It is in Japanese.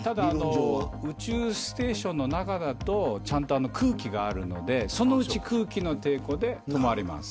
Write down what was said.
宇宙ステーションの中だと空気があるのでそのうち空気の抵抗で止まります。